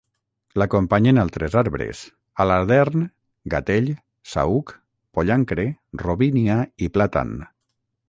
L'acompanyen altres arbres: aladern, gatell, saüc, pollancre, robínia i plàtan.